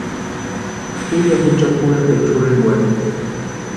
Ju ya jucha pʼorhepecha jorhenkwarhini.